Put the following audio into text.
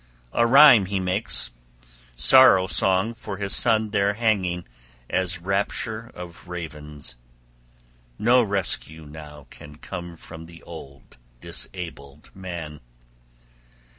A rime he makes, sorrow song for his son there hanging as rapture of ravens; no rescue now can come from the old, disabled man!